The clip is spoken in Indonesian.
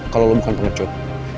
kalau lo bukan pengecut